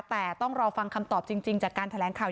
แต่ต้องรอฟังคำตอบจริงจากการแถลงข่าว